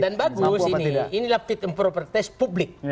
dan bagus ini ini lapid propertis publik